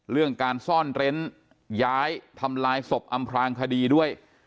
เรื่องการซ่อนเร้นย้ายทำลายศพอำพลางคดีด้วย